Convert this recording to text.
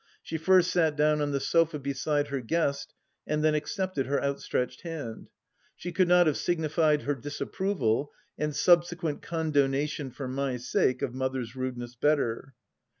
She first sat down on the sofa beside her guest and then accepted her outstretched hand. She could not have signified her disapproval, and subsequent condonation for my sake, of Mother's rudeness better.